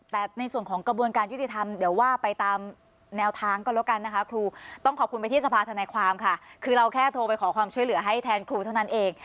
แต่ในส่วนของกระบวนการยุติธรรมเดี๋ยวว่าไปตามแนวทางก็แล้วกันนะคะครูต้องขอบคุณไปที่สภาธนาความค่ะคือเราแค่โทรไปขอความช่วยเหลือให้แทนครูเท่านั้นเอง